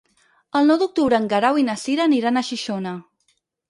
El nou d'octubre en Guerau i na Cira aniran a Xixona.